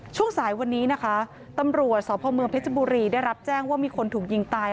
ช่วงสายวันนี้นะคะตำรวจสพเมืองเพชรบุรีได้รับแจ้งว่ามีคนถูกยิงตาย